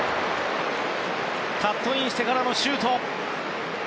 カットインしてからのシュート。